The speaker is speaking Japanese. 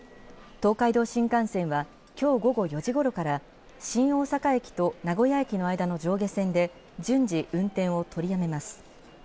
東海道新幹線は、きょう午後４時ごろから、新大阪駅と名古屋駅の間の上下線で順次運転を取りやめます。